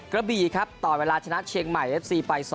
กระบี่ครับต่อเวลาชนะเชียงใหม่เอฟซีไป๒